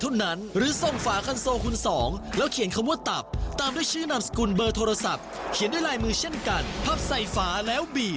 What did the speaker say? งั้นเราไปดูกติกาชัดอีกครั้งหนึ่งเลย